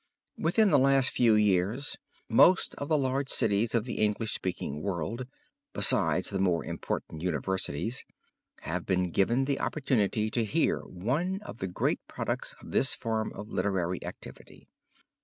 Within the last few years most of the large cities of the English speaking world, besides the more important universities, have been given the opportunity to hear one of the great products of this form of literary activity.